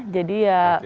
jadi ya harus bisa